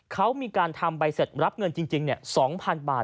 เขามีการทำใบเสร็จรับเงินจริง๒๐๐๐บาท